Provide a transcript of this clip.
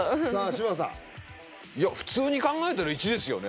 嶋佐いや普通に考えたら１ですよね